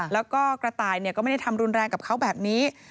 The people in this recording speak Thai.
แล้วก็กระต่ายก็ไม่ได้ทำรุนแรงกับเขาแบบนี้